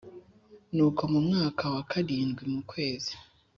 Nuko Mu Mwaka Wa Karindwi Mu Kwezi